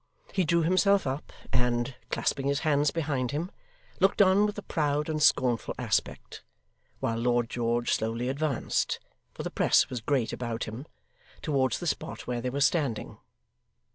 He drew himself up and, clasping his hands behind him, looked on with a proud and scornful aspect, while Lord George slowly advanced (for the press was great about him) towards the spot where they were standing.